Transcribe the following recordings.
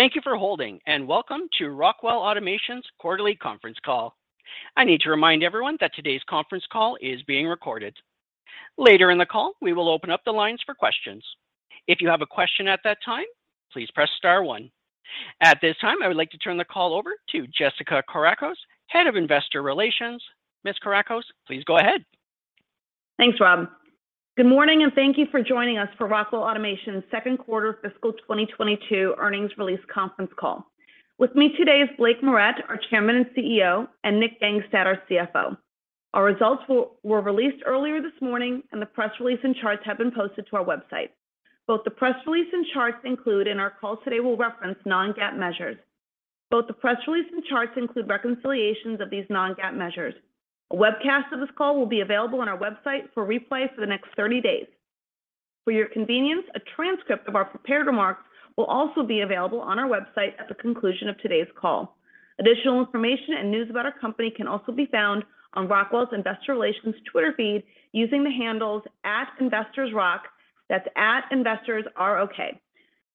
Thank you for holding, and welcome to Rockwell Automation's quarterly conference call. I need to remind everyone that today's conference call is being recorded. Later in the call, we will open up the lines for questions. If you have a question at that time, please press star one. At this time, I would like to turn the call over to Jessica Kourakos, Head of Investor Relations. Ms. Kourakos, please go ahead. Thanks, Rob. Good morning, and thank you for joining us for Rockwell Automation's second quarter fiscal 2022 earnings release conference call. With me today is Blake Moret, our Chairman and CEO, and Nick Gangestad, our CFO. Our results were released earlier this morning, and the press release and charts have been posted to our website. Both the press release and charts included in our call today will reference non-GAAP measures. Both the press release and charts include reconciliations of these non-GAAP measures. A webcast of this call will be available on our website for replay for the next 30 days. For your convenience, a transcript of our prepared remarks will also be available on our website at the conclusion of today's call. Additional information and news about our company can also be found on Rockwell's Investor Relations Twitter feed using the handle @ROKAutomation. That's @investorsROK.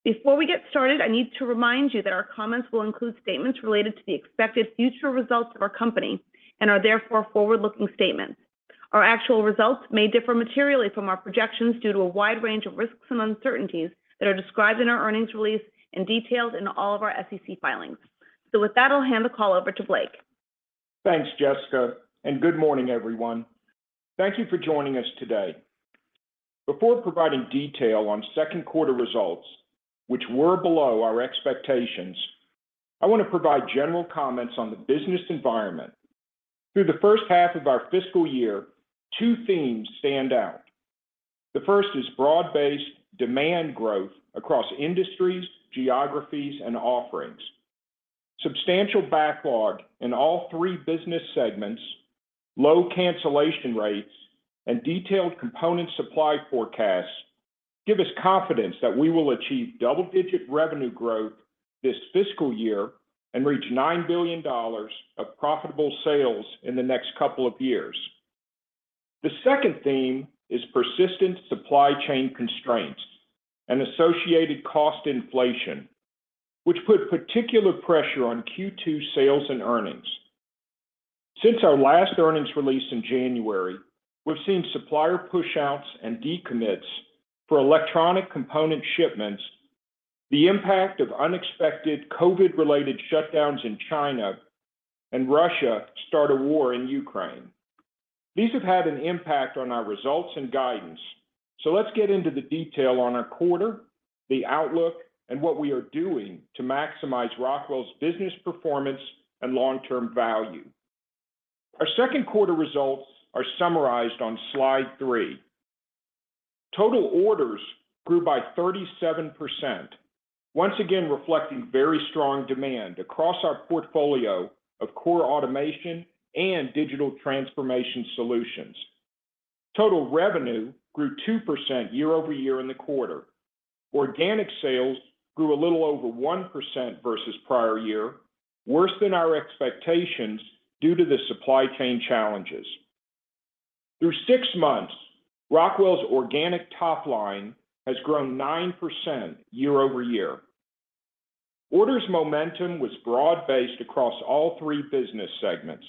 Before we get started, I need to remind you that our comments will include statements related to the expected future results of our company and are therefore forward-looking statements. Our actual results may differ materially from our projections due to a wide range of risks and uncertainties that are described in our earnings release and detailed in all of our SEC filings. With that, I'll hand the call over to Blake. Thanks, Jessica, and good morning, everyone. Thank you for joining us today. Before providing detail on second quarter results, which were below our expectations, I want to provide general comments on the business environment. Through the first half of our fiscal year, two themes stand out. The first is broad-based demand growth across industries, geographies, and offerings. Substantial backlog in all three business segments, low cancellation rates, and detailed component supply forecasts give us confidence that we will achieve double-digit revenue growth this fiscal year and reach $9 billion of profitable sales in the next couple of years. The second theme is persistent supply chain constraints and associated cost inflation, which put particular pressure on Q2 sales and earnings. Since our last earnings release in January, we've seen supplier pushouts and decommits for electronic component shipments, the impact of unexpected COVID-related shutdowns in China, and Russia start a war in Ukraine. These have had an impact on our results and guidance. Let's get into the detail on our quarter, the outlook, and what we are doing to maximize Rockwell's business performance and long-term value. Our second quarter results are summarized on slide three. Total orders grew by 37%, once again reflecting very strong demand across our portfolio of core automation and digital transformation solutions. Total revenue grew 2% year-over-year in the quarter. Organic sales grew a little over 1% versus prior year, worse than our expectations due to the supply chain challenges. Through six months, Rockwell's organic top line has grown 9% year-over-year. Orders momentum was broad-based across all three business segments.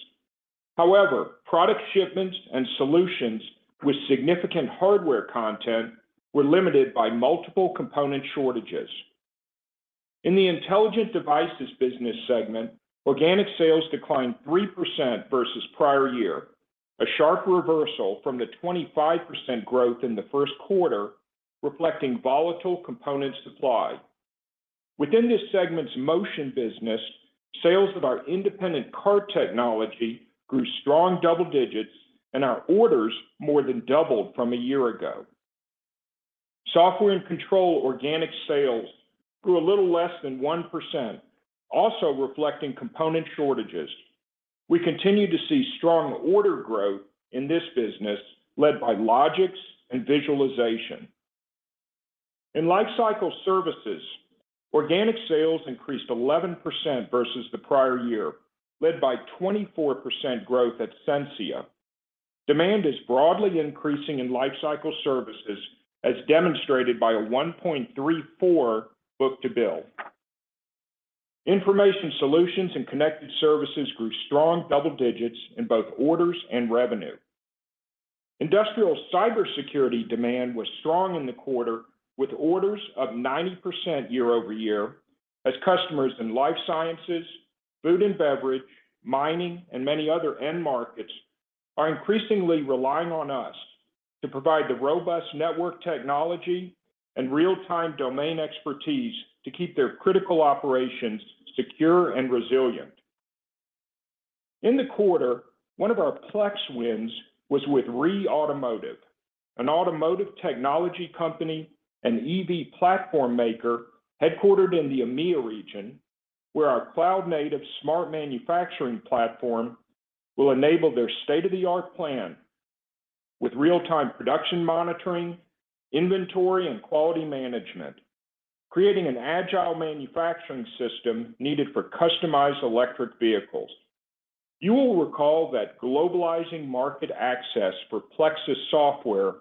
However, product shipments and solutions with significant hardware content were limited by multiple component shortages. In the Intelligent Devices business segment, organic sales declined 3% versus prior year, a sharp reversal from the 25% growth in the first quarter, reflecting volatile component supply. Within this segment's motion business, sales of our Independent Cart Technology grew strong double digits and our orders more than doubled from a year ago. Software & Control organic sales grew a little less than 1%, also reflecting component shortages. We continue to see strong order growth in this business led by Logix and visualization. In Lifecycle Services, organic sales increased 11% versus the prior year, led by 24% growth at Sensia. Demand is broadly increasing in Lifecycle Services, as demonstrated by a 1.34 book-to-bill. Information Solutions & Connected Services grew strong double digits in both orders and revenue. Industrial cybersecurity demand was strong in the quarter with orders up 90% year-over-year as customers in life sciences, food and beverage, mining, and many other end markets are increasingly relying on us to provide the robust network technology and real-time domain expertise to keep their critical operations secure and resilient. In the quarter, one of our Plex wins was with REE Automotive, an automotive technology company and EV platform maker headquartered in the EMEA region, where our cloud-native smart manufacturing platform will enable their state-of-the-art plant with real-time production monitoring, inventory, and quality management, creating an agile manufacturing system needed for customized electric vehicles. You will recall that globalizing market access for Plex's software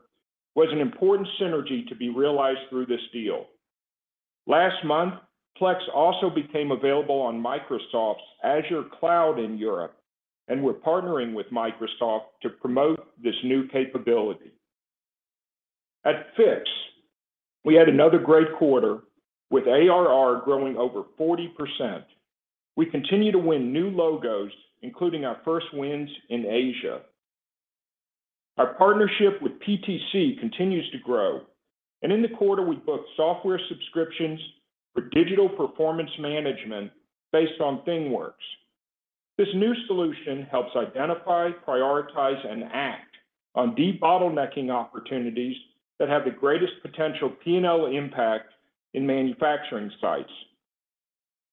was an important synergy to be realized through this deal. Last month, Plex also became available on Microsoft's Azure Cloud in Europe, and we're partnering with Microsoft to promote this new capability. At Fiix, we had another great quarter with ARR growing over 40%. We continue to win new logos, including our first wins in Asia. Our partnership with PTC continues to grow, and in the quarter we booked software subscriptions for digital performance management based on ThingWorx. This new solution helps identify, prioritize, and act on de-bottlenecking opportunities that have the greatest potential P&L impact in manufacturing sites.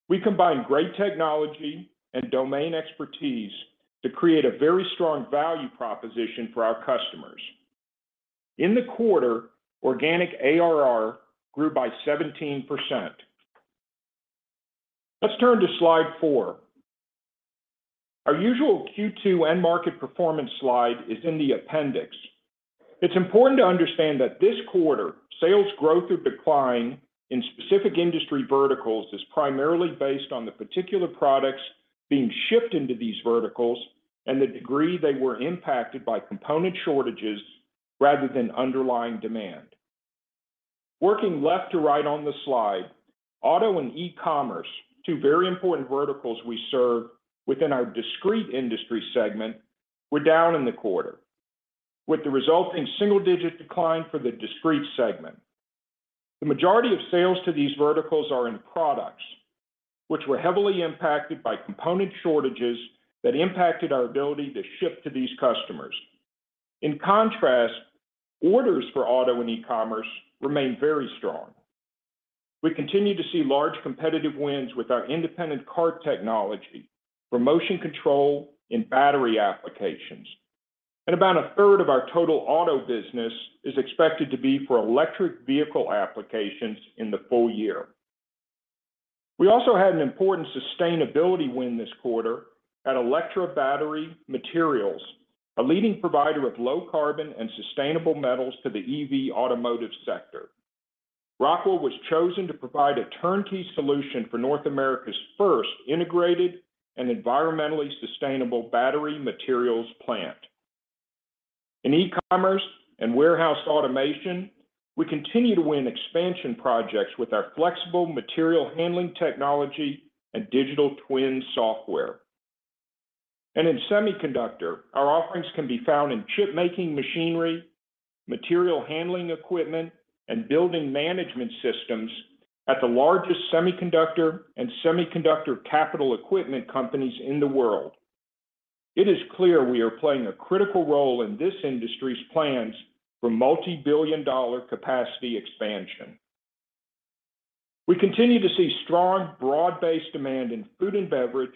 We combine great technology and domain expertise to create a very strong value proposition for our customers. In the quarter, organic ARR grew by 17%. Let's turn to slide four. Our usual Q2 end market performance slide is in the appendix. It's important to understand that this quarter, sales growth or decline in specific industry verticals is primarily based on the particular products being shipped into these verticals and the degree they were impacted by component shortages rather than underlying demand. Working left to right on the slide, auto and e-commerce, two very important verticals we serve within our discrete industry segment, were down in the quarter, with the result in single digit decline for the discrete segment. The majority of sales to these verticals are in products, which were heavily impacted by component shortages that impacted our ability to ship to these customers. In contrast, orders for auto and e-commerce remain very strong. We continue to see large competitive wins with our Independent Cart Technology for motion control in battery applications. About a third of our total auto business is expected to be for electric vehicle applications in the full year. We also had an important sustainability win this quarter at Electra Battery Materials, a leading provider of low carbon and sustainable metals to the EV automotive sector. Rockwell was chosen to provide a turnkey solution for North America's first integrated and environmentally sustainable battery materials plant. In e-commerce and warehouse automation, we continue to win expansion projects with our flexible material handling technology and digital twin software. In semiconductor, our offerings can be found in chip-making machinery, material handling equipment, and building management systems at the largest semiconductor and semiconductor capital equipment companies in the world. It is clear we are playing a critical role in this industry's plans for multi-billion dollar capacity expansion. We continue to see strong, broad-based demand in food and beverage,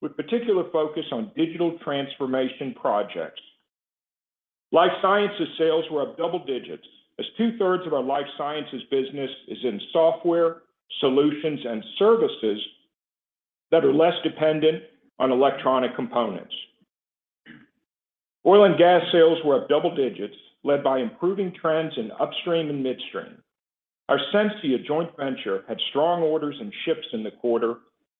with particular focus on digital transformation projects. Life sciences sales were up double digits as two-thirds of our life sciences business is in software, solutions and services that are less dependent on electronic components. Oil and gas sales were up double digits, led by improving trends in upstream and midstream. Our Sensia joint venture had strong orders and shipments in the quarter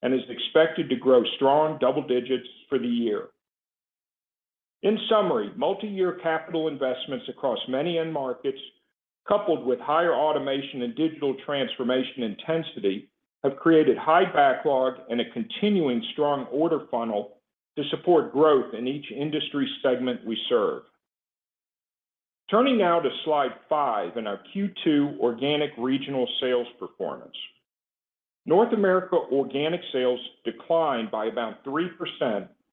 and is expected to grow strong double digits for the year. In summary, multi-year capital investments across many end markets, coupled with higher automation and digital transformation intensity, have created high backlog and a continuing strong order funnel to support growth in each industry segment we serve. Turning now to slide five in our Q2 organic regional sales performance. North America organic sales declined by about 3%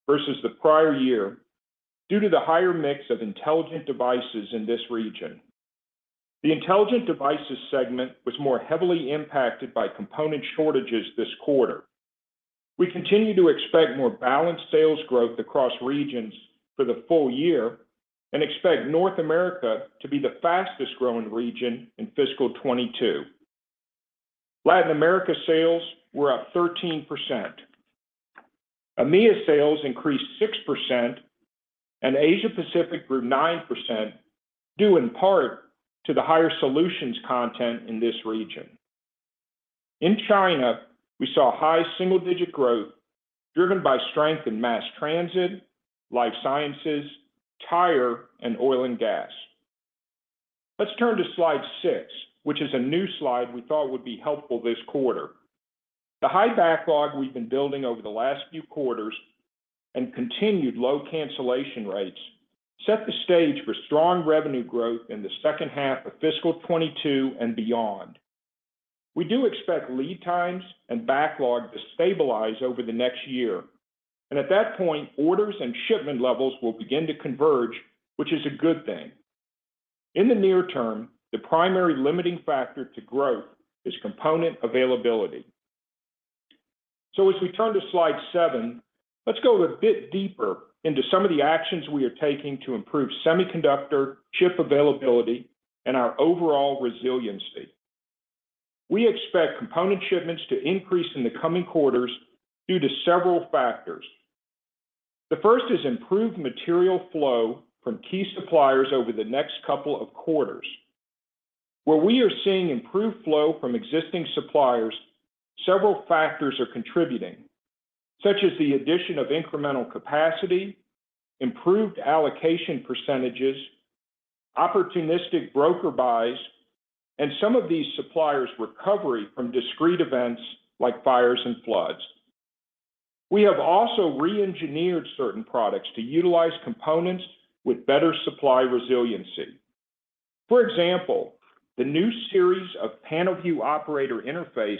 versus the prior year due to the higher mix of Intelligent Devices in this region. The Intelligent Devices segment was more heavily impacted by component shortages this quarter. We continue to expect more balanced sales growth across regions for the full year and expect North America to be the fastest growing region in fiscal 2022. Latin America sales were up 13%. EMEA sales increased 6% and Asia-Pacific grew 9% due in part to the higher solutions content in this region. In China, we saw high single digit growth driven by strength in mass transit, life sciences, tire, and oil and gas. Let's turn to slide six, which is a new slide we thought would be helpful this quarter. The high backlog we've been building over the last few quarters and continued low cancellation rates set the stage for strong revenue growth in the second half of fiscal 2022 and beyond. We do expect lead times and backlog to stabilize over the next year, and at that point, orders and shipment levels will begin to converge, which is a good thing. In the near term, the primary limiting factor to growth is component availability. As we turn to slide seven, let's go a bit deeper into some of the actions we are taking to improve semiconductor chip availability and our overall resiliency. We expect component shipments to increase in the coming quarters due to several factors. The first is improved material flow from key suppliers over the next couple of quarters. Where we are seeing improved flow from existing suppliers, several factors are contributing, such as the addition of incremental capacity, improved allocation percentages, opportunistic broker buys, and some of these suppliers' recovery from discrete events like fires and floods. We have also reengineered certain products to utilize components with better supply resiliency. For example, the new series of PanelView Operator Interface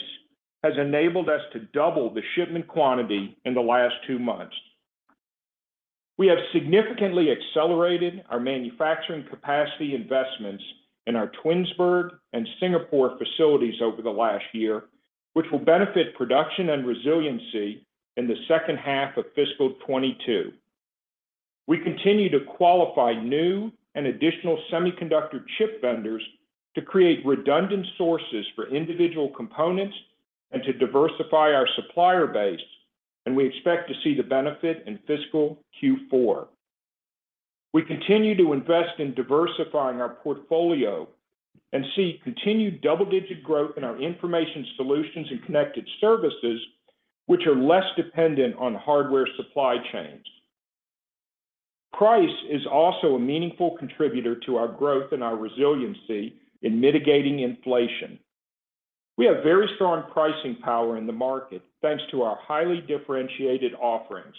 has enabled us to double the shipment quantity in the last two months. We have significantly accelerated our manufacturing capacity investments in our Twinsburg and Singapore facilities over the last year, which will benefit production and resiliency in the second half of fiscal 2022. We continue to qualify new and additional semiconductor chip vendors to create redundant sources for individual components and to diversify our supplier base, and we expect to see the benefit in fiscal Q4. We continue to invest in diversifying our portfolio and see continued double-digit growth in our Information Solutions & Connected Services, which are less dependent on hardware supply chains. Price is also a meaningful contributor to our growth and our resiliency in mitigating inflation. We have very strong pricing power in the market, thanks to our highly differentiated offerings.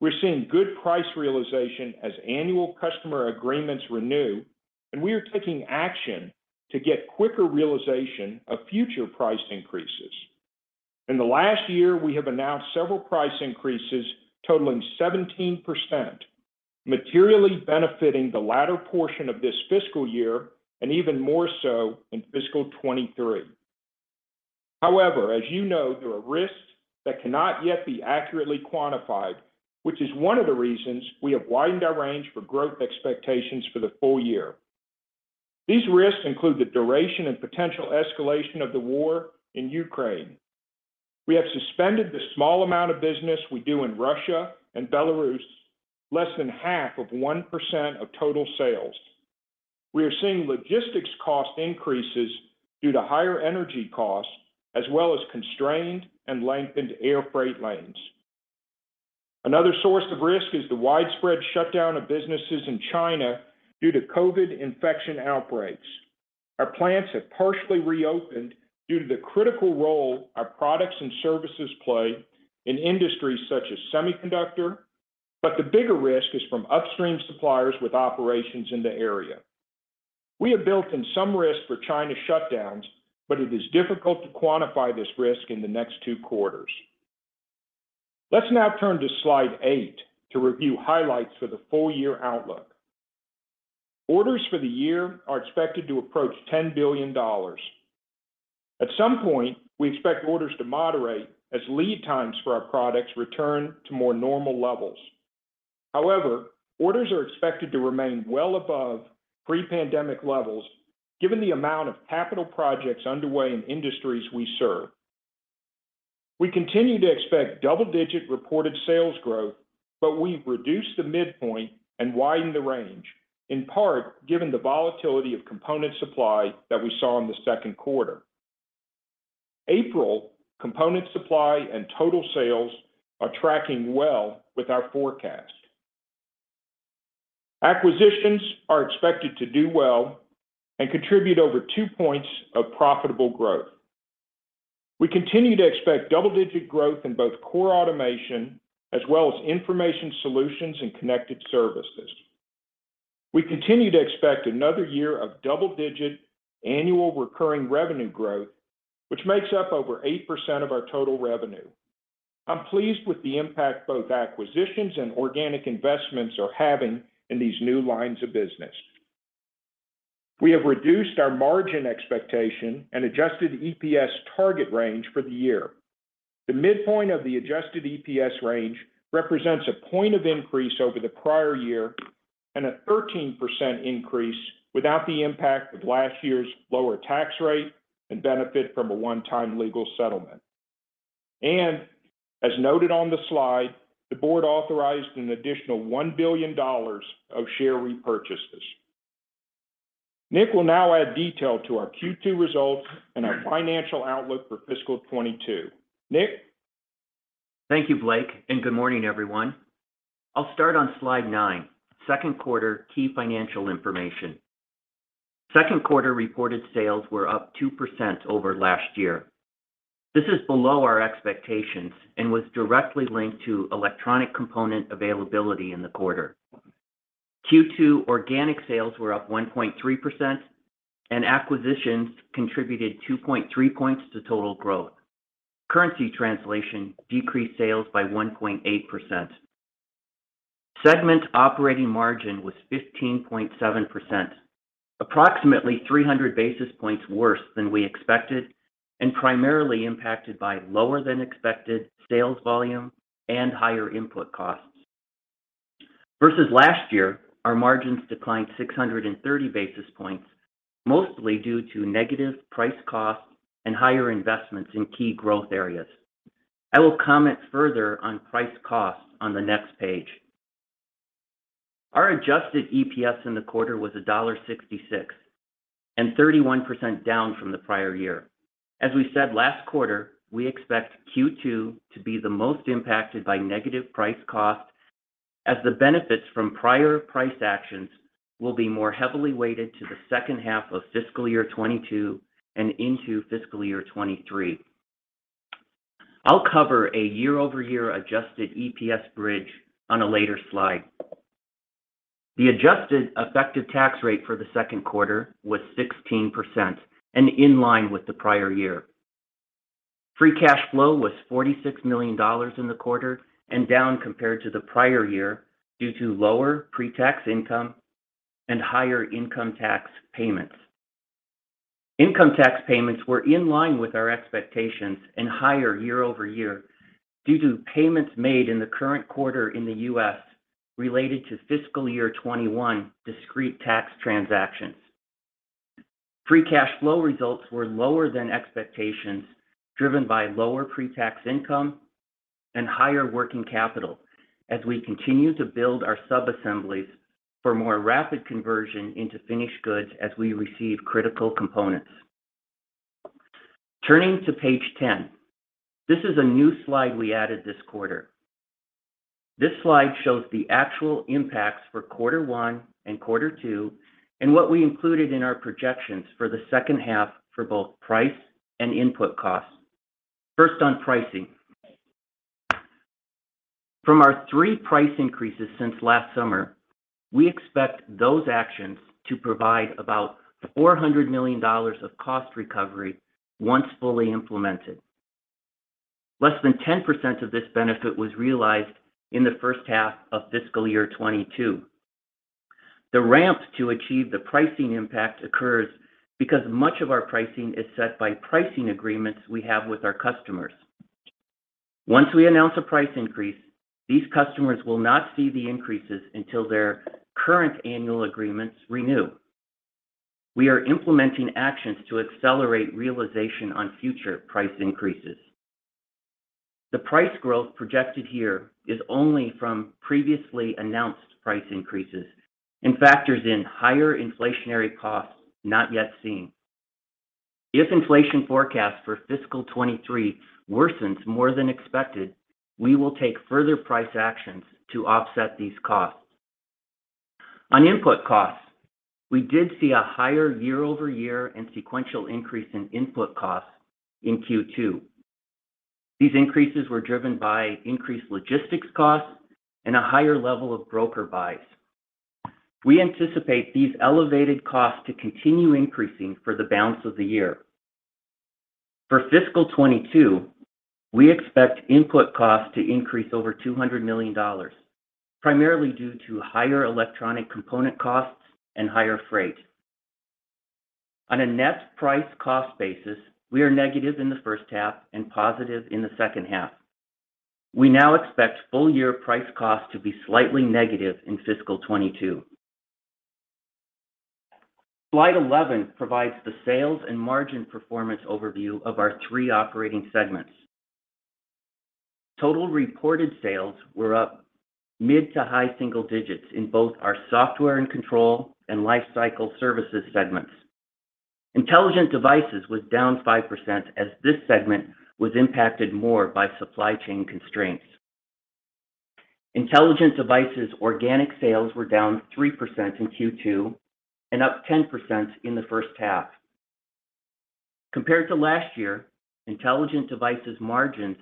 We're seeing good price realization as annual customer agreements renew, and we are taking action to get quicker realization of future price increases. In the last year, we have announced several price increases totaling 17%, materially benefiting the latter portion of this fiscal year and even more so in fiscal 2023. However, as you know, there are risks that cannot yet be accurately quantified, which is one of the reasons we have widened our range for growth expectations for the full year. These risks include the duration and potential escalation of the war in Ukraine. We have suspended the small amount of business we do in Russia and Belarus, less than 0.5 of 1% of total sales. We are seeing logistics cost increases due to higher energy costs, as well as constrained and lengthened air freight lanes. Another source of risk is the widespread shutdown of businesses in China due to COVID infection outbreaks. Our plants have partially reopened due to the critical role our products and services play in industries such as semiconductor, but the bigger risk is from upstream suppliers with operations in the area. We have built in some risk for China shutdowns, but it is difficult to quantify this risk in the next two quarters. Let's now turn to slide eight to review highlights for the full year outlook. Orders for the year are expected to approach $10 billion. At some point, we expect orders to moderate as lead times for our products return to more normal levels. However, orders are expected to remain well above pre-pandemic levels given the amount of capital projects underway in industries we serve. We continue to expect double-digit reported sales growth, but we've reduced the midpoint and widened the range, in part given the volatility of component supply that we saw in the second quarter. April component supply and total sales are tracking well with our forecast. Acquisitions are expected to do well and contribute over two points of profitable growth. We continue to expect double-digit growth in both core automation as well as Information Solutions & Connected Services. We continue to expect another year of double-digit annual recurring revenue growth, which makes up over 8% of our total revenue. I'm pleased with the impact both acquisitions and organic investments are having in these new lines of business. We have reduced our margin expectation and Adjusted EPS target range for the year. The midpoint of the Adjusted EPS range represents a point increase over the prior year and a 13% increase without the impact of last year's lower tax rate and benefit from a one-time legal settlement. As noted on the slide, the board authorized an additional $1 billion of share repurchases. Nick will now add detail to our Q2 results and our financial outlook for fiscal 2022. Nick? Thank you, Blake, and good morning, everyone. I'll start on slide nine, second quarter key financial information. Second quarter reported sales were up 2% over last year. This is below our expectations and was directly linked to electronic component availability in the quarter. Q2 organic sales were up 1.3%, and acquisitions contributed 2.3% points to total growth. Currency translation decreased sales by 1.8%. Segment operating margin was 15.7%, approximately 300 basis points worse than we expected, and primarily impacted by lower than expected sales volume and higher input costs. Versus last year, our margins declined 630 basis points, mostly due to negative price costs and higher investments in key growth areas. I will comment further on price costs on the next page. Our Adjusted EPS in the quarter was $1.66, and 31% down from the prior year. As we said last quarter, we expect Q2 to be the most impacted by negative price cost, as the benefits from prior price actions will be more heavily weighted to the second half of fiscal year 2022 and into fiscal year 2023. I'll cover a year-over-year Adjusted EPS bridge on a later slide. The adjusted effective tax rate for the second quarter was 16% and in line with the prior year. Free cash flow was $46 million in the quarter and down compared to the prior year due to lower pre-tax income and higher income tax payments. Income tax payments were in line with our expectations and higher year-over-year due to payments made in the current quarter in the U.S. related to fiscal year 2021 discrete tax transactions. Free cash flow results were lower than expectations, driven by lower pre-tax income and higher working capital as we continue to build our sub-assemblies for more rapid conversion into finished goods as we receive critical components. Turning to page 10, this is a new slide we added this quarter. This slide shows the actual impacts for quarter one and quarter two, and what we included in our projections for the second half for both price and input costs. First on pricing. From our three price increases since last summer, we expect those actions to provide about $400 million of cost recovery once fully implemented. Less than 10% of this benefit was realized in the first half of fiscal year 2022. The ramp to achieve the pricing impact occurs because much of our pricing is set by pricing agreements we have with our customers. Once we announce a price increase, these customers will not see the increases until their current annual agreements renew. We are implementing actions to accelerate realization on future price increases. The price growth projected here is only from previously announced price increases and factors in higher inflationary costs not yet seen. If inflation forecast for fiscal 2023 worsens more than expected, we will take further price actions to offset these costs. On input costs, we did see a higher year-over-year and sequential increase in input costs in Q2. These increases were driven by increased logistics costs and a higher level of broker buys. We anticipate these elevated costs to continue increasing for the balance of the year. For fiscal 2022, we expect input costs to increase over $200 million, primarily due to higher electronic component costs and higher freight. On a net price cost basis, we are negative in the first half and positive in the second half. We now expect full year price cost to be slightly negative in fiscal 2022. Slide 11 provides the sales and margin performance overview of our three operating segments. Total reported sales were up mid to high single digits in both our Software & Control and Lifecycle Services segments. Intelligent Devices was down 5% as this segment was impacted more by supply chain constraints. Intelligent Devices organic sales were down 3% in Q2 and up 10% in the first half. Compared to last year, Intelligent Devices margins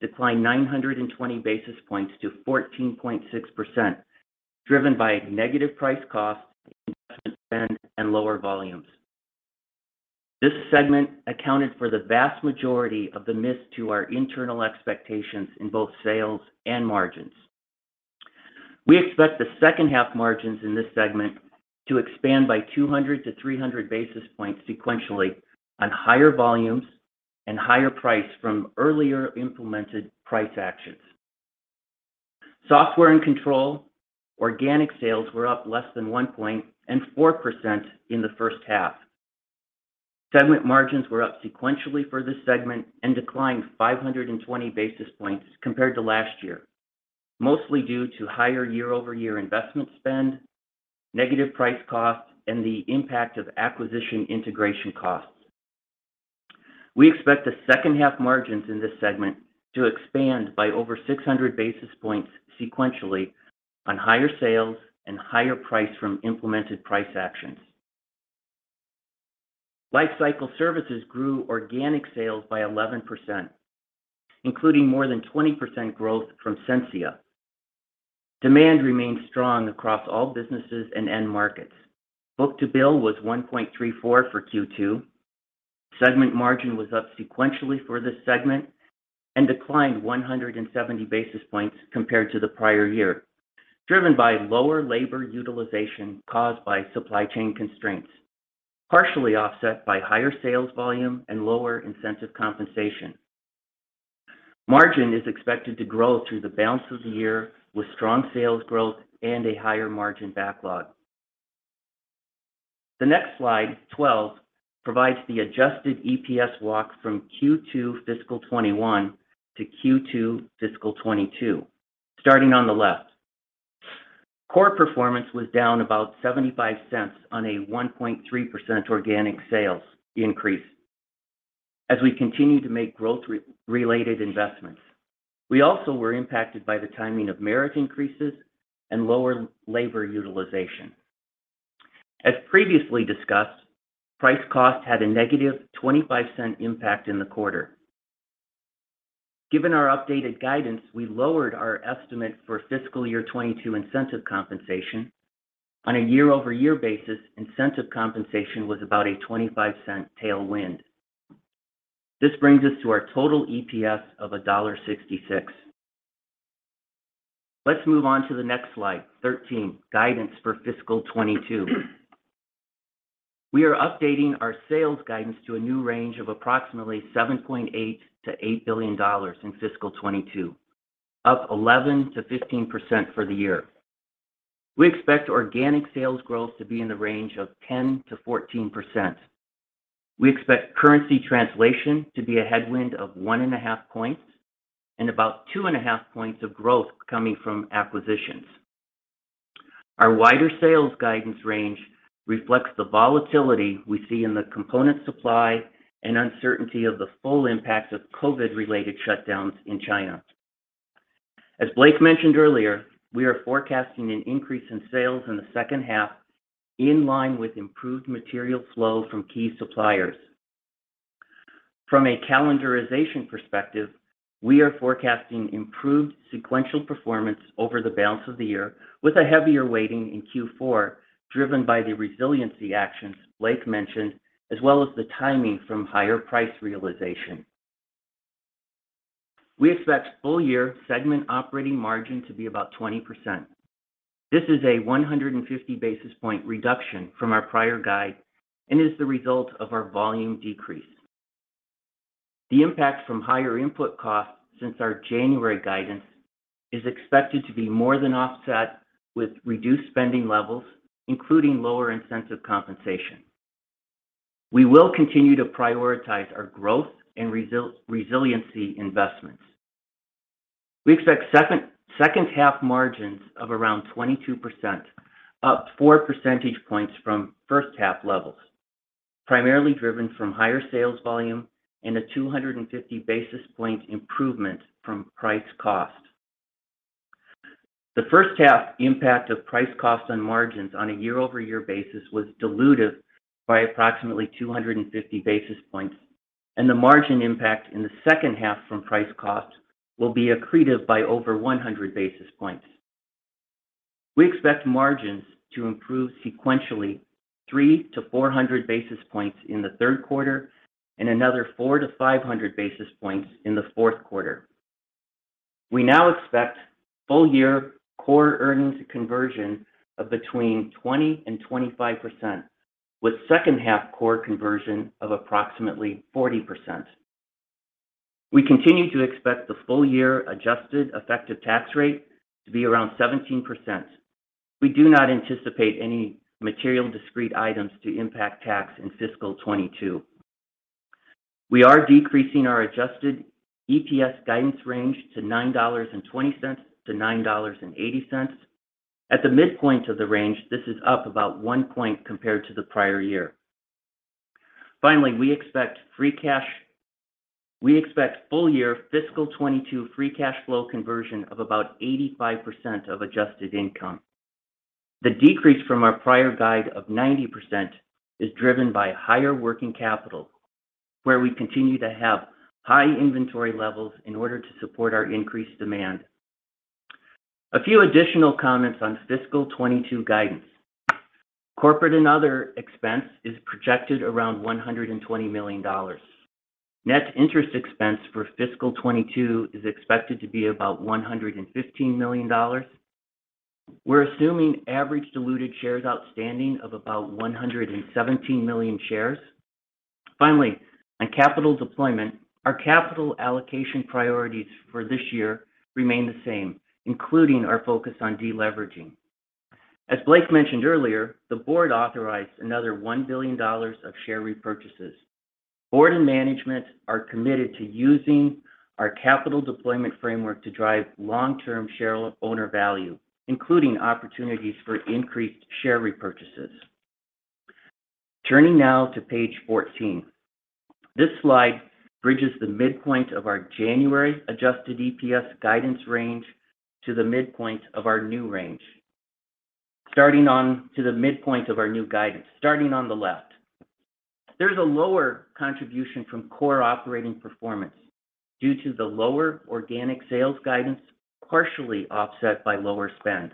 declined 920 basis points to 14.6%, driven by negative price costs, investment spend, and lower volumes. This segment accounted for the vast majority of the miss to our internal expectations in both sales and margins. We expect the second half margins in this segment to expand by 200-300 basis points sequentially on higher volumes and higher price from earlier implemented price actions. Software & Control organic sales were up less than 1.4% in the first half. Segment margins were up sequentially for this segment and declined 520 basis points compared to last year, mostly due to higher year-over-year investment spend, negative price costs, and the impact of acquisition integration costs. We expect the second half margins in this segment to expand by over 600 basis points sequentially on higher sales and higher price from implemented price actions. Lifecycle Services grew organic sales by 11%, including more than 20% growth from Sensia. Demand remains strong across all businesses and end markets. Book-to-bill was 1.34 for Q2. Segment margin was up sequentially for this segment and declined 170 basis points compared to the prior year, driven by lower labor utilization caused by supply chain constraints, partially offset by higher sales volume and lower incentive compensation. Margin is expected to grow through the balance of the year with strong sales growth and a higher margin backlog. The next slide, 12, provides the Adjusted EPS walk from Q2 fiscal 2021 to Q2 fiscal 2022. Starting on the left. Core performance was down about $0.75 on a 1.3% organic sales increase as we continue to make growth-related investments. We also were impacted by the timing of merit increases and lower labor utilization. As previously discussed, price-cost had a negative $0.25 impact in the quarter. Given our updated guidance, we lowered our estimate for fiscal year 2022 incentive compensation. On a year-over-year basis, incentive compensation was about a $0.25 tailwind. This brings us to our total EPS of $1.66. Let's move on to the next slide, 13, guidance for fiscal 2022. We are updating our sales guidance to a new range of approximately $7.8-$8 billion in fiscal 2022, up 11%-15% for the year. We expect organic sales growth to be in the range of 10%-14%. We expect currency translation to be a headwind of 1.5% points and about 2.5% points of growth coming from acquisitions. Our wider sales guidance range reflects the volatility we see in the component supply and uncertainty of the full impact of COVID-related shutdowns in China. As Blake mentioned earlier, we are forecasting an increase in sales in the second half in line with improved material flow from key suppliers. From a calendarization perspective, we are forecasting improved sequential performance over the balance of the year with a heavier weighting in Q4, driven by the resiliency actions Blake mentioned, as well as the timing from higher price realization. We expect full year segment operating margin to be about 20%. This is a 150 basis point reduction from our prior guide and is the result of our volume decrease. The impact from higher input costs since our January guidance is expected to be more than offset with reduced spending levels, including lower incentive compensation. We will continue to prioritize our growth and resiliency investments. We expect second half margins of around 22%, up 4% points from first half levels, primarily driven from higher sales volume and a 250 basis point improvement from price cost. The first half impact of price cost on margins on a year-over-year basis was dilutive by approximately 250 basis points, and the margin impact in the second half from price cost will be accretive by over 100 basis points. We expect margins to improve sequentially 300-400 basis points in the third quarter and another 400-500 basis points in the fourth quarter. We now expect full year core earnings conversion of between 20% and 25%, with second half core conversion of approximately 40%. We continue to expect the full year adjusted effective tax rate to be around 17%. We do not anticipate any material discrete items to impact tax in fiscal 2022. We are decreasing our Adjusted EPS guidance range to $9.20-$9.80. At the midpoint of the range, this is up about 1% point compared to the prior year. Finally, we expect full year fiscal 2022 free cash flow conversion of about 85% of adjusted income. The decrease from our prior guide of 90% is driven by higher working capital, where we continue to have high inventory levels in order to support our increased demand. A few additional comments on fiscal 2022 guidance. Corporate and other expense is projected around $120 million. Net interest expense for fiscal 2022 is expected to be about $115 million. We're assuming average diluted shares outstanding of about 117 million shares. Finally, on capital deployment, our capital allocation priorities for this year remain the same, including our focus on deleveraging. As Blake mentioned earlier, the board authorized another $1 billion of share repurchases. Board and management are committed to using our capital deployment framework to drive long-term shareholder value, including opportunities for increased share repurchases. Turning now to page 14. This slide bridges the midpoint of our January Adjusted EPS guidance range to the midpoint of our new range. Starting on the left. There's a lower contribution from core operating performance due to the lower organic sales guidance, partially offset by lower spend.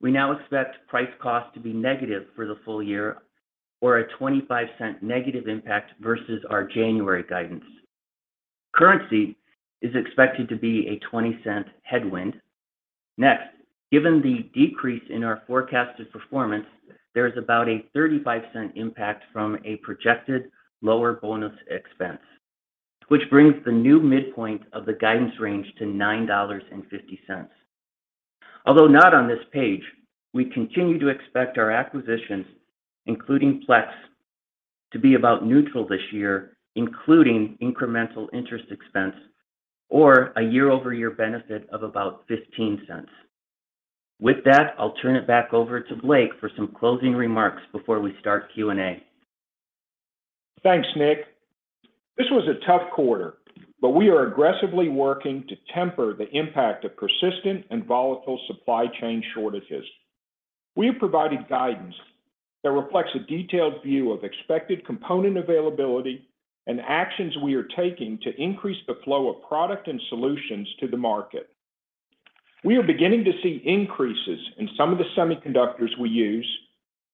We now expect price-cost to be negative for the full year or a $0.25 negative impact versus our January guidance. Currency is expected to be a $0.20 headwind. Next, given the decrease in our forecasted performance, there is about a $0.35 impact from a projected lower bonus expense, which brings the new midpoint of the guidance range to $9.50. Although not on this page, we continue to expect our acquisitions, including Plex, to be about neutral this year, including incremental interest expense or a year-over-year benefit of about $0.15. With that, I'll turn it back over to Blake for some closing remarks before we start Q&A. Thanks, Nick. This was a tough quarter, but we are aggressively working to temper the impact of persistent and volatile supply chain shortages. We have provided guidance that reflects a detailed view of expected component availability and actions we are taking to increase the flow of product and solutions to the market. We are beginning to see increases in some of the semiconductors we use.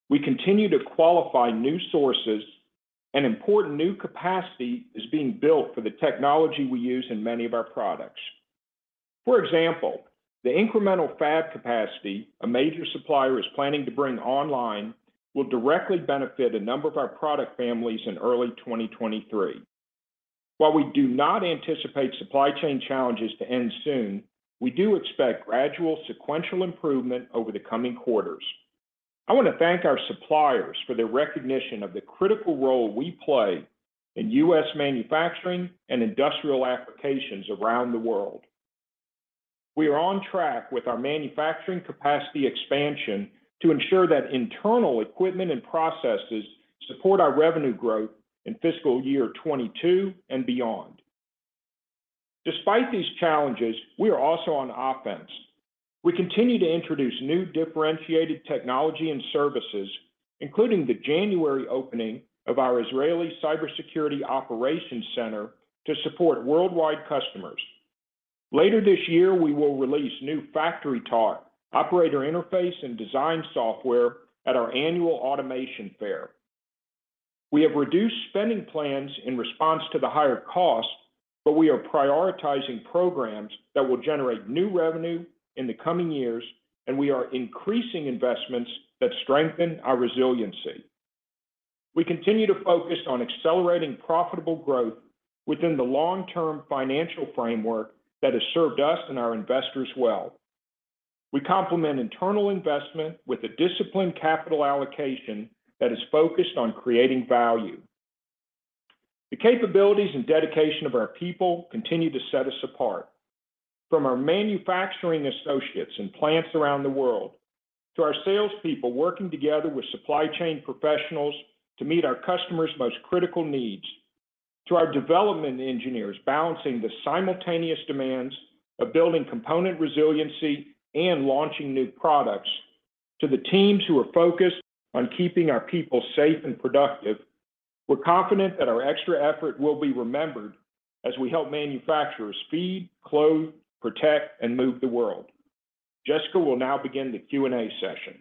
We continue to qualify new sources, and important new capacity is being built for the technology we use in many of our products. For example, the incremental fab capacity a major supplier is planning to bring online will directly benefit a number of our product families in early 2023. While we do not anticipate supply chain challenges to end soon, we do expect gradual sequential improvement over the coming quarters. I want to thank our suppliers for their recognition of the critical role we play in U.S. manufacturing and industrial applications around the world. We are on track with our manufacturing capacity expansion to ensure that internal equipment and processes support our revenue growth in fiscal year 2022 and beyond. Despite these challenges, we are also on offense. We continue to introduce new differentiated technology and services, including the January opening of our Israeli Cybersecurity Operations Center to support worldwide customers. Later this year, we will release new FactoryTalk operator interface and design software at our annual Automation Fair. We have reduced spending plans in response to the higher cost, but we are prioritizing programs that will generate new revenue in the coming years, and we are increasing investments that strengthen our resiliency. We continue to focus on accelerating profitable growth within the long-term financial framework that has served us and our investors well. We complement internal investment with a disciplined capital allocation that is focused on creating value. The capabilities and dedication of our people continue to set us apart from our manufacturing associates in plants around the world to our salespeople working together with supply chain professionals to meet our customers' most critical needs, to our development engineers balancing the simultaneous demands of building component resiliency and launching new products, to the teams who are focused on keeping our people safe and productive. We're confident that our extra effort will be remembered as we help manufacturers feed, clothe, protect, and move the world. Jessica will now begin the Q&A session.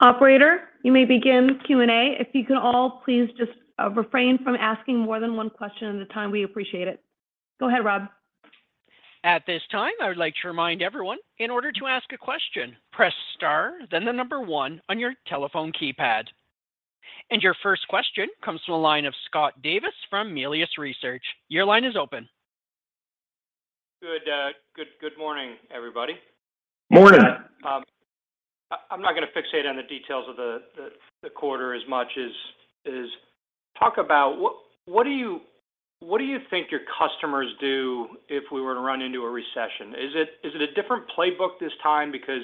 Operator, you may begin Q&A. If you can all please just, refrain from asking more than one question at a time, we appreciate it. Go ahead, Rob. At this time, I would like to remind everyone, in order to ask a question, press star, then the number one on your telephone keypad. Your first question comes from the line of Scott Davis from Melius Research. Your line is open. Good morning, everybody. Morning. I'm not going to fixate on the details of the quarter as much as talk about what do you think your customers do if we were to run into a recession? Is it a different playbook this time because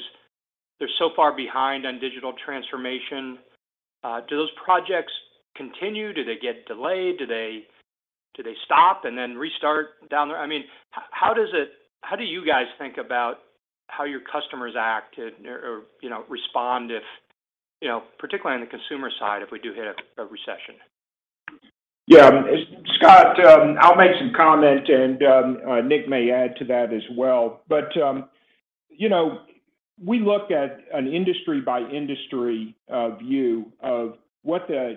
they're so far behind on digital transformation? Do those projects continue? Do they get delayed? Do they stop and then restart? I mean, how do you guys think about how your customers act or, you know, respond if, you know, particularly on the consumer side, if we do hit a recession? Yeah. Scott, I'll make some comment and, Nick may add to that as well. You know, we look at an industry by industry view of what the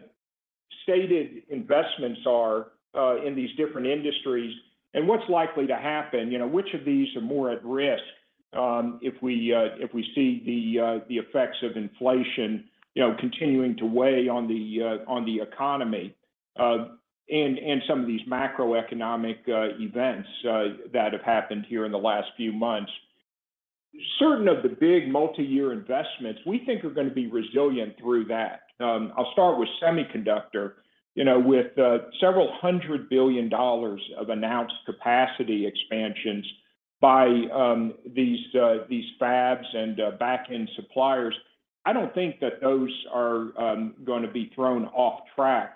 stated investments are in these different industries and what's likely to happen. You know, which of these are more at risk if we see the effects of inflation, you know, continuing to weigh on the economy and some of these macroeconomic events that have happened here in the last few months. Certain of the big multi-year investments we think are going to be resilient through that. I'll start with semiconductor. You know, with several hundred billion dollars of announced capacity expansions by these fabs and back-end suppliers, I don't think that those are going to be thrown off track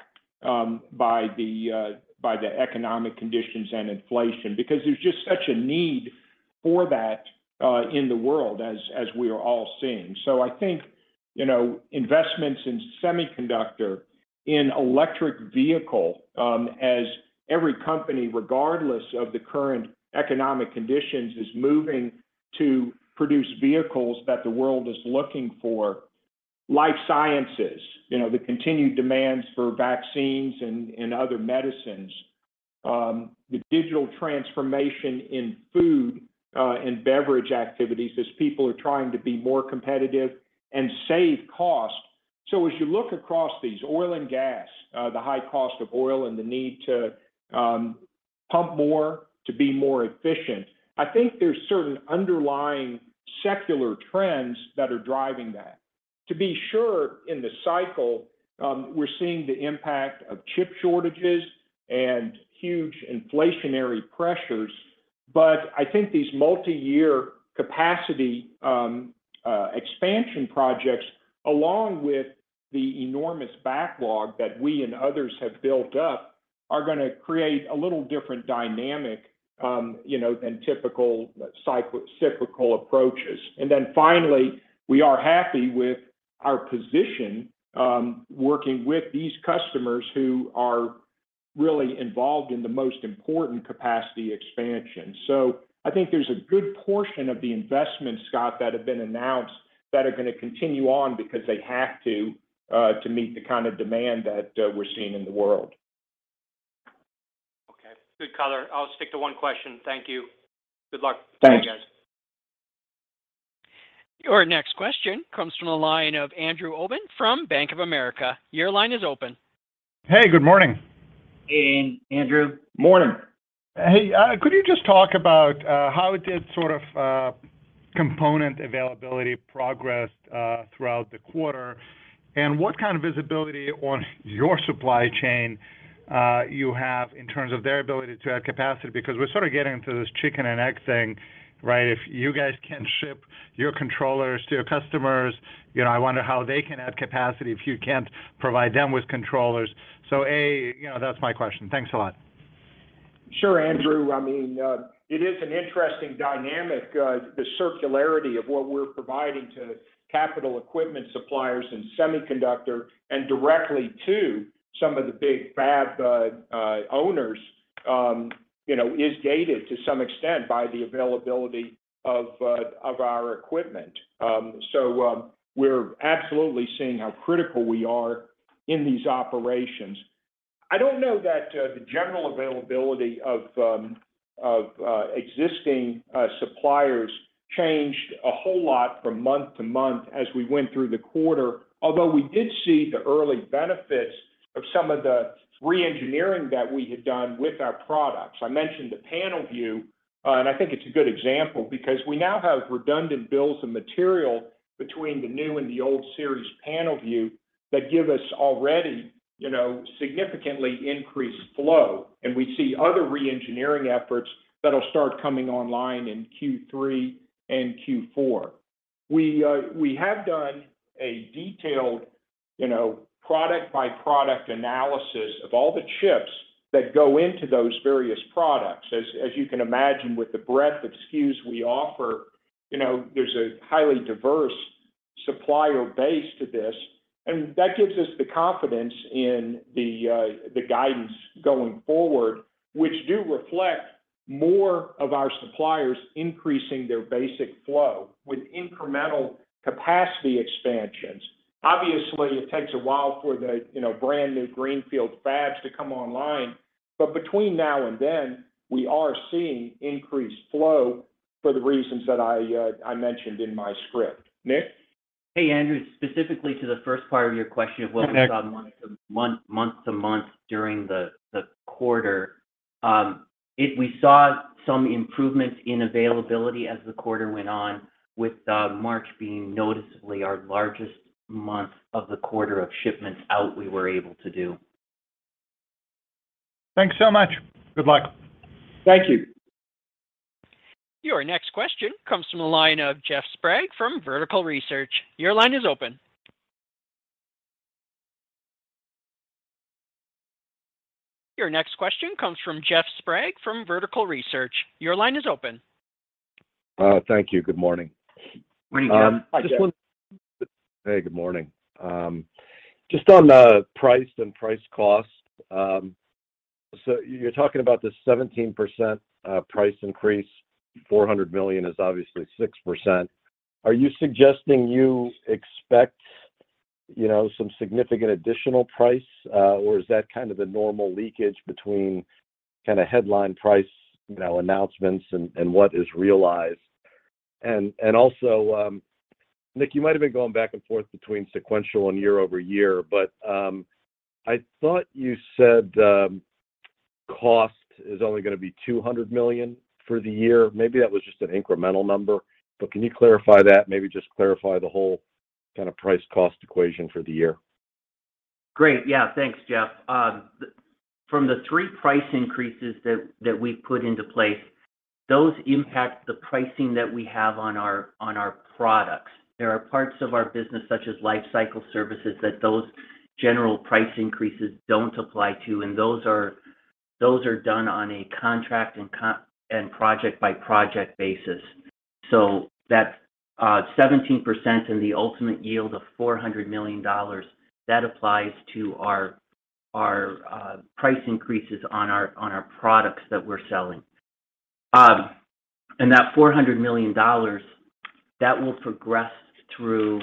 by the economic conditions and inflation, because there's just such a need for that in the world as we are all seeing. I think, you know, investments in semiconductor, in electric vehicle, as every company, regardless of the current economic conditions, is moving to produce vehicles that the world is looking for. Life sciences, you know, the continued demands for vaccines and other medicines. The digital transformation in food and beverage activities as people are trying to be more competitive and save costs. As you look across these, oil and gas, the high cost of oil and the need to pump more to be more efficient, I think there's certain underlying secular trends that are driving that. To be sure, in the cycle, we're seeing the impact of chip shortages and huge inflationary pressures. But I think these multiyear capacity expansion projects, along with the enormous backlog that we and others have built up, are gonna create a little different dynamic, you know, than typical cyclical approaches. Then finally, we are happy with our position, working with these customers who are really involved in the most important capacity expansion. I think there's a good portion of the investment, Scott, that have been announced that are gonna continue on because they have to meet the kind of demand that we're seeing in the world. Okay. Good color. I'll stick to one question. Thank you. Good luck. Thanks. See you guys. Your next question comes from the line of Andrew Obin from Bank of America. Your line is open. Hey, good morning. Hey, Andrew. Morning. Hey, could you just talk about how did sort of component availability progressed throughout the quarter? What kind of visibility on your supply chain you have in terms of their ability to add capacity? Because we're sort of getting into this chicken and egg thing, right? If you guys can't ship your controllers to your customers, you know, I wonder how they can add capacity if you can't provide them with controllers. A, you know, that's my question. Thanks a lot. Sure, Andrew. I mean, it is an interesting dynamic. The circularity of what we're providing to capital equipment suppliers and semiconductor and directly to some of the big FAB owners, you know, is gated to some extent by the availability of our equipment. So, we're absolutely seeing how critical we are in these operations. I don't know that the general availability of existing suppliers changed a whole lot from month to month as we went through the quarter. Although we did see the early benefits of some of the reengineering that we had done with our products. I mentioned the PanelView, and I think it's a good example because we now have redundant bills of material between the new and the old series PanelView that give us already, you know, significantly increased flow, and we see other reengineering efforts that'll start coming online in Q3 and Q4. We have done a detailed, you know, product-by-product analysis of all the chips that go into those various products. As you can imagine, with the breadth of SKUs we offer, you know, there's a highly diverse supplier base to this, and that gives us the confidence in the guidance going forward, which do reflect more of our suppliers increasing their basic flow with incremental capacity expansions. Obviously, it takes a while for the, you know, brand-new greenfield fabs to come online. Between now and then, we are seeing increased flow for the reasons that I mentioned in my script. Nick? Hey, Andrew. Specifically to the first part of your question of what we saw month to month during the quarter. We saw some improvements in availability as the quarter went on, with March being noticeably our largest month of the quarter of shipments out we were able to do. Thanks so much. Good luck. Thank you. Your next question comes from the line of Jeff Sprague from Vertical Research. Your line is open. Thank you. Good morning. Morning, Jeff. Hi, Jeff. Hey, good morning. Just on the price and price cost. So you're talking about this 17% price increase. $400 million is obviously 6%. Are you suggesting you expect, you know, some significant additional price, or is that kind of the normal leakage between kind of headline price, you know, announcements and what is realized? And also, Nick, you might have been going back and forth between sequential and year-over-year, but I thought you said the cost is only gonna be $200 million for the year. Maybe that was just an incremental number, but can you clarify that? Maybe just clarify the whole kind of price-cost equation for the year. Great. Yeah. Thanks, Jeff. From the three price increases that we've put into place, those impact the pricing that we have on our products. There are parts of our business, such as Lifecycle Services, that those general price increases don't apply to, and those are done on a contract and project-by-project basis. That 17% and the ultimate yield of $400 million, that applies to our price increases on our products that we're selling. That $400 million, that will progress through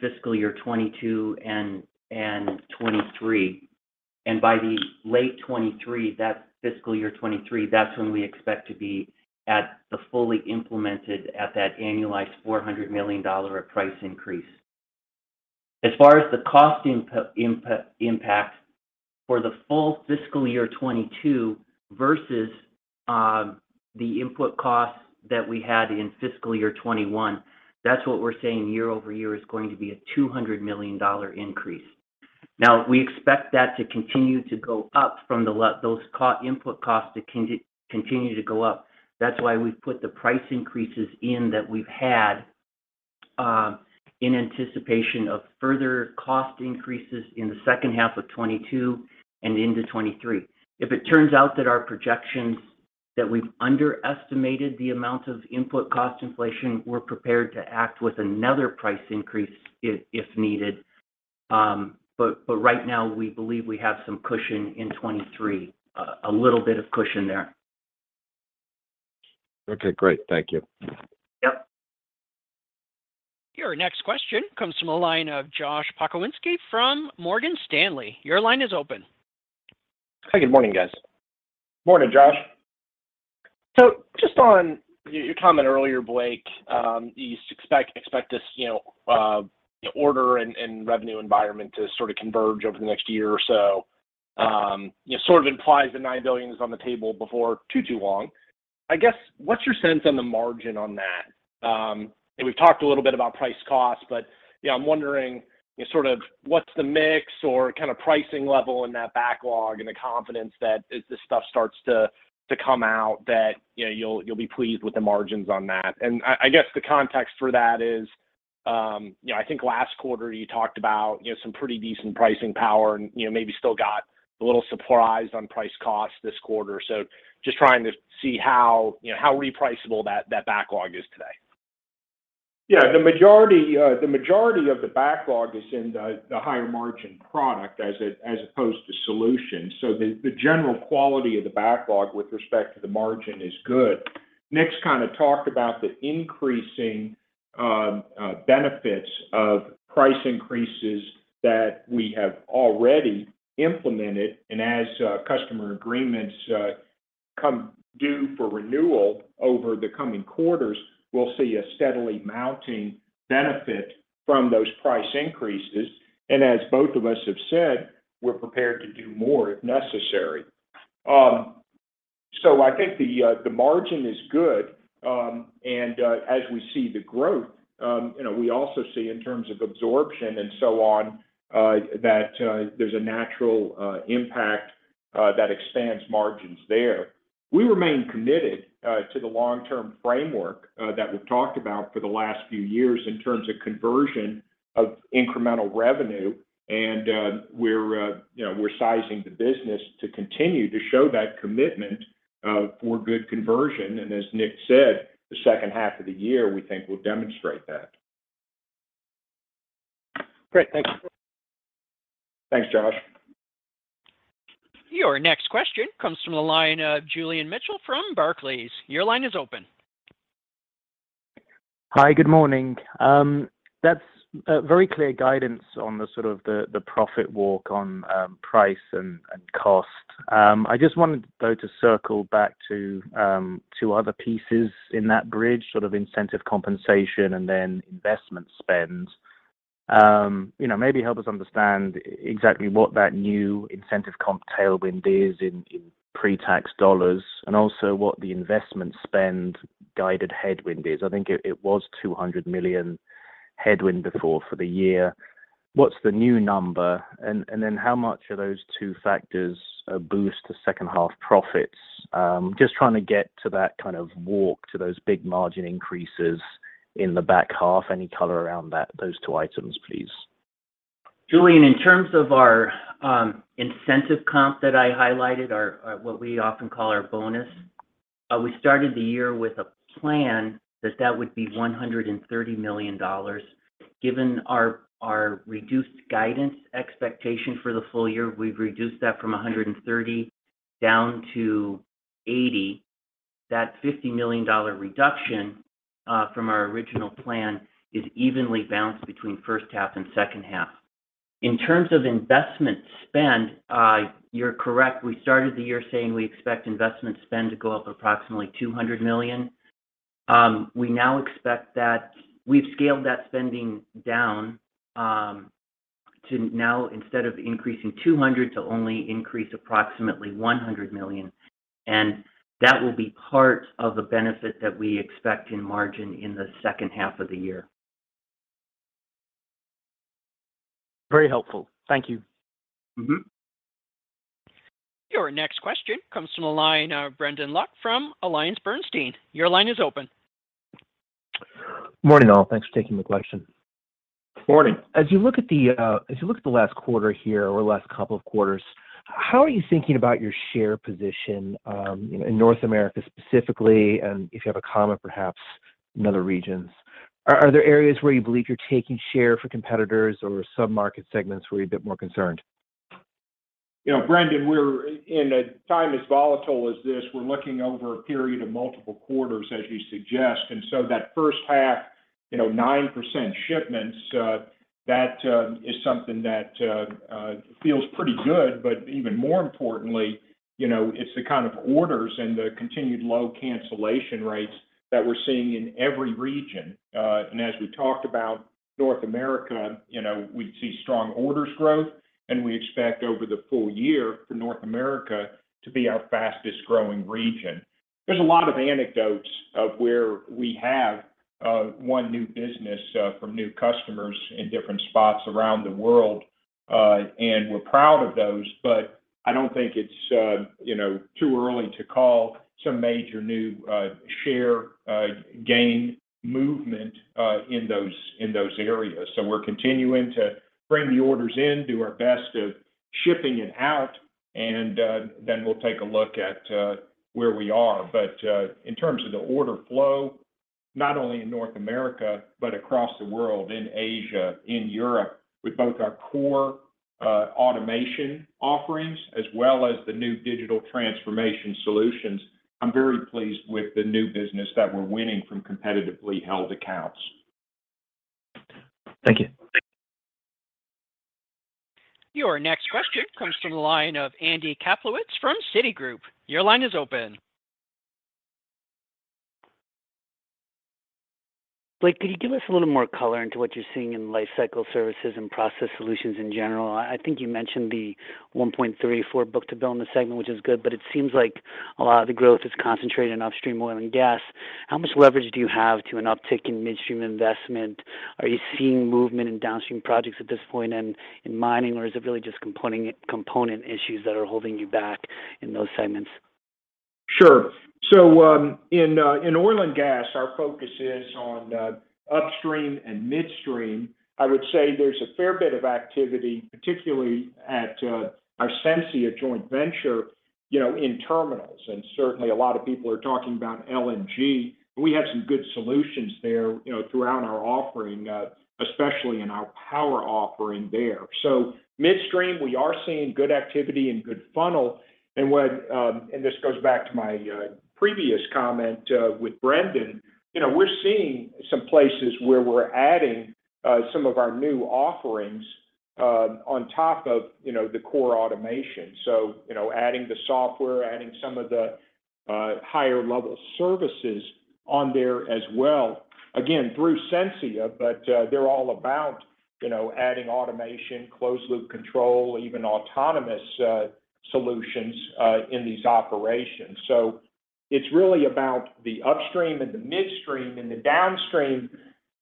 fiscal year 2022 and 2023. By the late 2023, that fiscal year 2023, that's when we expect to be at the fully implemented at that annualized $400 million price increase. As far as the cost impact for the full fiscal year 2022 versus the input costs that we had in fiscal year 2021, that's what we're saying year-over-year is going to be a $200 million increase. Now, we expect that to continue to go up from those input costs to continue to go up. That's why we've put the price increases in that we've had in anticipation of further cost increases in the second half of 2022 and into 2023. If it turns out that our projections that we've underestimated the amount of input cost inflation, we're prepared to act with another price increase if needed. Right now we believe we have some cushion in 2023, a little bit of cushion there. Okay, great. Thank you. Yep. Your next question comes from the line of Josh Pokrzywinski from Morgan Stanley. Your line is open. Hi, good morning, guys. Morning, Josh. Just on your comment earlier, Blake, you expect this, you know, order and revenue environment to sort of converge over the next year or so, you know, sort of implies the $9 billion is on the table before too long. I guess, what's your sense on the margin on that? And we've talked a little bit about price cost, but, you know, I'm wondering sort of what's the mix or kind of pricing level in that backlog and the confidence that as this stuff starts to come out that, you know, you'll be pleased with the margins on that? I guess the context for that is, you know, I think last quarter you talked about, you know, some pretty decent pricing power and, you know, maybe still got a little surprised on price costs this quarter. Just trying to see how, you know, how repriceable that backlog is today. Yeah. The majority of the backlog is in the higher margin product as opposed to solutions. The general quality of the backlog with respect to the margin is good. Nick's kind of talked about the increasing benefits of price increases that we have already implemented. As customer agreements come due for renewal over the coming quarters, we'll see a steadily mounting benefit from those price increases. As both of us have said, we're prepared to do more if necessary. I think the margin is good. As we see the growth, you know, we also see in terms of absorption and so on, that there's a natural impact that expands margins there. We remain committed to the long-term framework that we've talked about for the last few years in terms of conversion of incremental revenue. We're you know we're sizing the business to continue to show that commitment for good conversion. As Nick said, the second half of the year, we think will demonstrate that. Great. Thanks. Thanks, Josh. Your next question comes from the line of Julian Mitchell from Barclays. Your line is open. Hi, good morning. That's a very clear guidance on the profit walk on price and cost. I just wanted though to circle back to two other pieces in that bridge, sort of incentive compensation and then investment spend. You know, maybe help us understand exactly what that new incentive comp tailwind is in pre-tax dollars, and also what the investment spend guided headwind is. I think it was $200 million headwind before for the year. What's the new number? And then how much of those two factors boost to second half profits? Just trying to get to that kind of walk to those big margin increases in the back half. Any color around that, those two items, please. Julian, in terms of our incentive comp that I highlighted, our what we often call our bonus, we started the year with a plan that would be $130 million. Given our reduced guidance expectation for the full year, we've reduced that from $130 down to $80. That $50 million reduction from our original plan is evenly balanced between first half and second half. In terms of investment spend, you're correct. We started the year saying we expect investment spend to go up approximately $200 million. We now expect that we've scaled that spending down to now instead of increasing $200 to only increase approximately $100 million. That will be part of the benefit that we expect in margin in the second half of the year. Very helpful. Thank you. Mm-hmm. Your next question comes from the line of Brendan Luecke from AllianceBernstein. Your line is open. Morning, all. Thanks for taking my question. Morning. As you look at the last quarter here or last couple of quarters, how are you thinking about your share position in North America specifically, and if you have a comment perhaps in other regions? Are there areas where you believe you're taking share from competitors or sub-market segments where you're a bit more concerned? You know, Brendan, we're in a time as volatile as this. We're looking over a period of multiple quarters as you suggest. That first half, you know, 9% shipments, that is something that feels pretty good. But even more importantly, you know, it's the kind of orders and the continued low cancellation rates that we're seeing in every region. As we talked about North America, you know, we see strong orders growth, and we expect over the full year for North America to be our fastest-growing region. There's a lot of anecdotes of where we have won new business from new customers in different spots around the world, and we're proud of those. I don't think it's, you know, too early to call some major new share gain movement in those areas. We're continuing to bring the orders in, do our best to ship it out, and then we'll take a look at where we are. In terms of the order flow, not only in North America, but across the world, in Asia, in Europe, with both our core automation offerings as well as the new digital transformation solutions, I'm very pleased with the new business that we're winning from competitively held accounts. Thank you. Your next question comes from the line of Andy Kaplowitz from Citigroup. Your line is open. Blake, could you give us a little more color on what you're seeing in Lifecycle Services and process solutions in general? I think you mentioned the 1.34 book-to-bill in the segment, which is good, but it seems like a lot of the growth is concentrated in upstream oil and gas. How much leverage do you have to an uptick in midstream investment? Are you seeing movement in downstream projects at this point and in mining, or is it really just component issues that are holding you back in those segments? Sure. In oil and gas, our focus is on upstream and midstream. I would say there's a fair bit of activity, particularly at Sensia joint venture, you know, in terminals, and certainly a lot of people are talking about LNG. We have some good solutions there, you know, throughout our offering, especially in our power offering there. Midstream, we are seeing good activity and good funnel. This goes back to my previous comment with Brendan. You know, we're seeing some places where we're adding some of our new offerings on top of, you know, the core automation. you know, adding the software, adding some of the, higher-level services on there as well, again, through Sensia, but, they're all about, you know, adding automation, closed loop control, even autonomous, solutions, in these operations. It's really about the upstream and the midstream, and the downstream,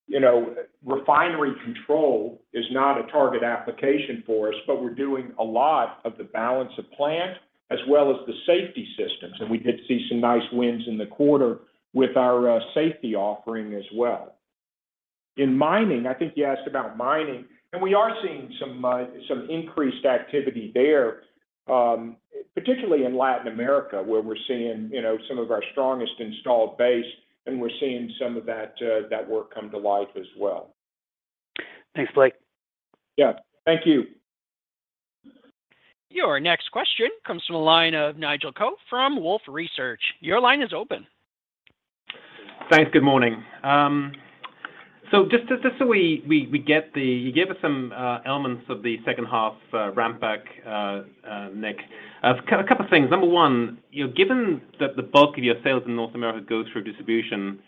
you know, refinery control is not a target application for us, but we're doing a lot of the balance of plant as well as the safety systems. We did see some nice wins in the quarter with our, safety offering as well. In mining, I think you asked about mining, and we are seeing some increased activity there, particularly in Latin America, where we're seeing, you know, some of our strongest installed base, and we're seeing some of that, work come to life as well. Thanks, Blake. Yeah. Thank you. Your next question comes from the line of Nigel Coe from Wolfe Research. Your line is open. Thanks. Good morning. You gave us some elements of the second half ramp back, Nick. A couple of things. Number one, you know, given that the bulk of your sales in North America go through distribution,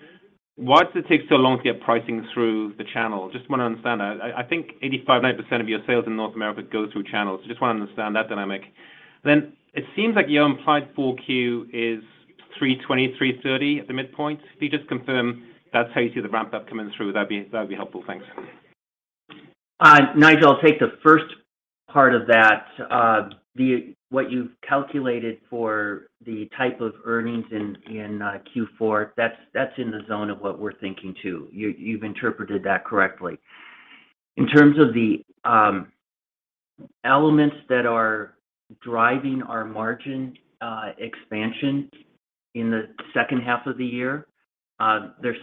why does it take so long to get pricing through the channel? Just want to understand that. I think 85%-90% of your sales in North America go through channels. Just want to understand that dynamic. Then it seems like your implied Q4 is $320-$330 at the midpoint. Can you just confirm that's how you see the ramp up coming through? That'd be helpful. Thanks. Nigel, I'll take the first part of that. What you've calculated for the type of earnings in Q4, that's in the zone of what we're thinking too. You've interpreted that correctly. In terms of the elements that are driving our margin expansion in the second half of the year, there are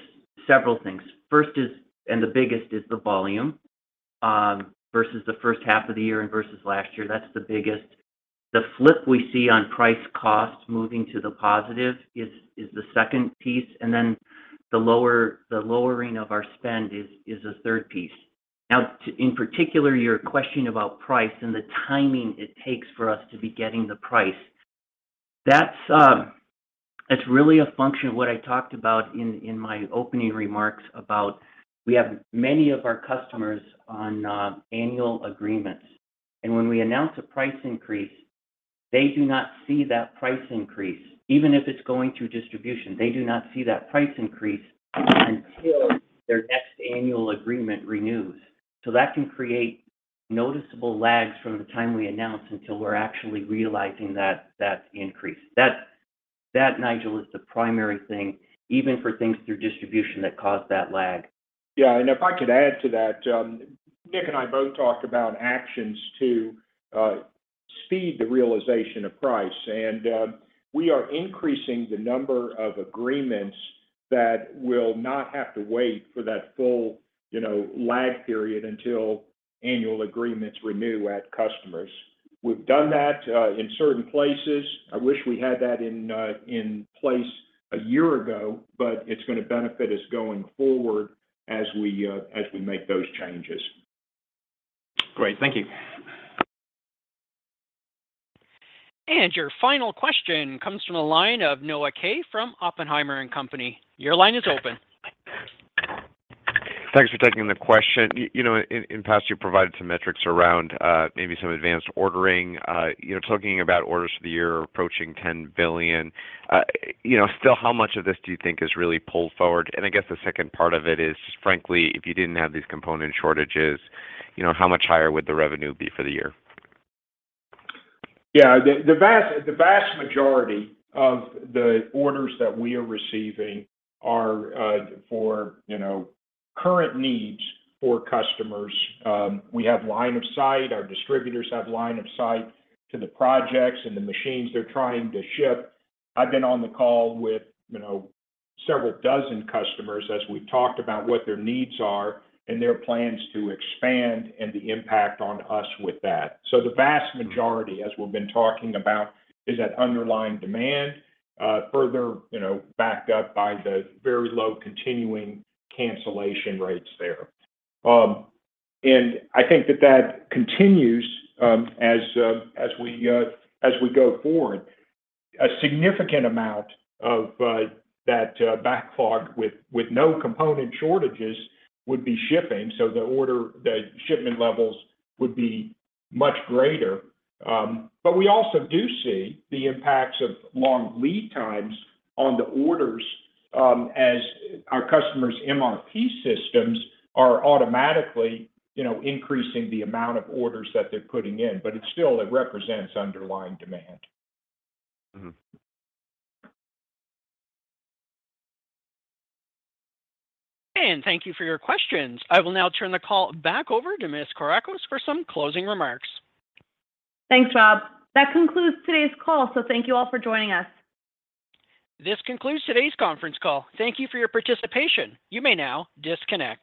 several things. First is, and the biggest, the volume versus the first half of the year and versus last year. That's the biggest. The flip we see on price cost moving to the positive is the second piece, and then the lowering of our spend is the third piece. In particular, your question about price and the timing it takes for us to be getting the price. That's really a function of what I talked about in my opening remarks about we have many of our customers on annual agreements. When we announce a price increase, they do not see that price increase. Even if it's going through distribution, they do not see that price increase until their next annual agreement renews. That can create noticeable lags from the time we announce until we're actually realizing that increase. That, Nigel, is the primary thing, even for things through distribution that cause that lag. Yeah. If I could add to that, Nick and I both talked about actions to speed the realization of price. We are increasing the number of agreements that we'll not have to wait for that full, you know, lag period until annual agreements renew at customers. We've done that in certain places. I wish we had that in place a year ago, but it's gonna benefit us going forward as we make those changes. Great. Thank you. Your final question comes from the line of Noah Kaye from Oppenheimer & Co. Your line is open. Thanks for taking the question. You know, in the past, you provided some metrics around maybe some advanced ordering. You're talking about orders for the year approaching $10 billion. You know, still how much of this do you think is really pulled forward? I guess the second part of it is, frankly, if you didn't have these component shortages, you know, how much higher would the revenue be for the year? Yeah. The vast majority of the orders that we are receiving are for, you know, current needs for customers. We have line of sight, our distributors have line of sight to the projects and the machines they're trying to ship. I've been on the call with, you know, several dozen customers as we've talked about what their needs are and their plans to expand and the impact on us with that. The vast majority, as we've been talking about, is that underlying demand, further, you know, backed up by the very low continuing cancellation rates there. I think that continues as we go forward. A significant amount of that backlog with no component shortages would be shipping, so the shipment levels would be much greater. We also do see the impacts of long lead times on the orders, as our customers' MRP systems are automatically, you know, increasing the amount of orders that they're putting in. It still represents underlying demand. Mm-hmm. Thank you for your questions. I will now turn the call back over to Ms. Kourakos for some closing remarks. Thanks, Rob. That concludes today's call, so thank you all for joining us. This concludes today's conference call. Thank you for your participation. You may now disconnect.